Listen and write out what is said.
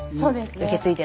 受け継いで。